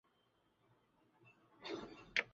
Siwezi kuogelea vizuri.